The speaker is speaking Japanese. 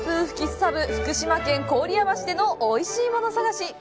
吹きすさぶ福島県郡山市でのおいしいもの探し。